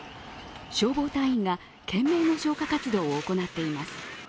消防隊員が懸命の消火活動を行っています。